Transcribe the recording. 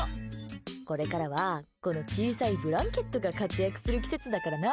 これからはこの小さいブランケットが活躍する季節だからな。